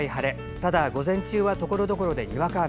ただ、午前中はところどころでにわか雨。